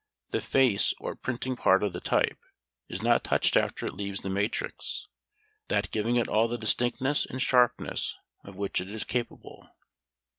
The face, or printing part of the type, is not touched after it leaves the matrix, that giving it all the distinctness and sharpness of which it is capable.